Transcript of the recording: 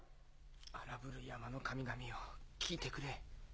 荒ぶる山の神々よ聞いてくれ。